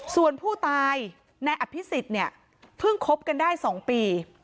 ส่วนผู้ตายนายอภิษฎเนี่ยเพิ่งคบกันได้๒ปี